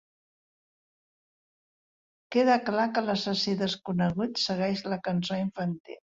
Queda clar que l'assassí desconegut segueix la cançó infantil.